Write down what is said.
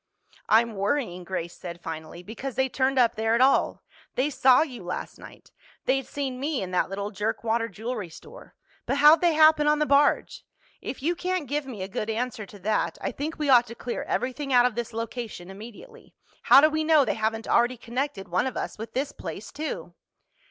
"I'm worrying," Grace said finally, "because they turned up there at all. They saw you last night. They'd seen me in that little jerkwater jewelry store. But how'd they happen on the barge? If you can't give me a good answer to that, I think we ought to clear everything out of this location immediately. How do we know they haven't already connected one of us with this place too?"